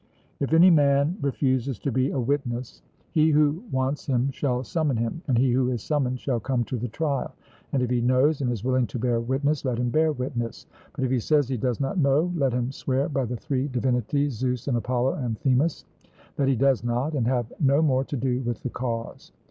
If any man refuses to be a witness, he who wants him shall summon him, and he who is summoned shall come to the trial; and if he knows and is willing to bear witness, let him bear witness, but if he says he does not know let him swear by the three divinities Zeus, and Apollo, and Themis, that he does not, and have no more to do with the cause.